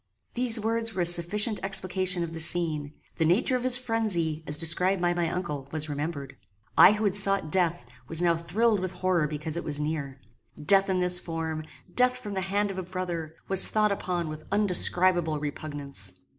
These words were a sufficient explication of the scene. The nature of his phrenzy, as described by my uncle, was remembered. I who had sought death, was now thrilled with horror because it was near. Death in this form, death from the hand of a brother, was thought upon with undescribable repugnance.